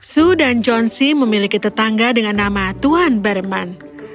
sue dan john c memiliki tetangga dengan nama tuan berman